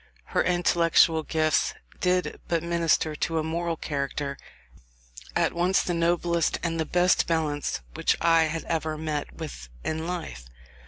Her intellectual gifts did but minister to a moral character at once the noblest and the best balanced which I have ever met with in life.